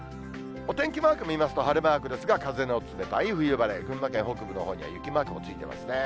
お天気マーク見ますと、晴れマークですが、風の冷たい冬晴れ、群馬県北部のほうには雪マークもついてますね。